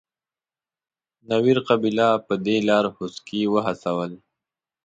نوير قبیله په دې لار خوسکي وهڅول.